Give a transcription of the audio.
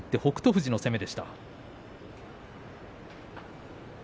富士の攻めでした。